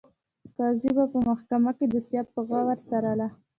قاضي به په محکمه کې دوسیه په غور څارله.